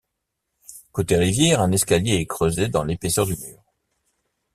Côté rivière, un escalier est creusé dans l'épaisseur du mur.